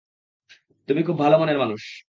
তুমি খুব ভালো মনের মানুষ।